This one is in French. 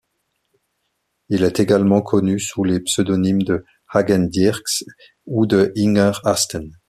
Il est également connu sous les pseudonymes de Hagen Dierks ou de Inger Asten.